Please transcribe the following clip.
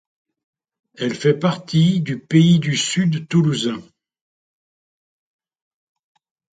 Elle fait partie du Pays du Sud Toulousain.